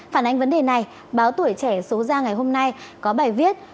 phản ánh vấn đề này báo tuổi trẻ số ra ngày hôm nay có bài viết